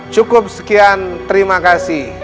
cukup sekian terima kasih